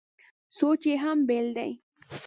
سوچ یې هم بېل دی.